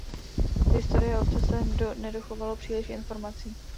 Z historie obce se nedochovalo příliš informací.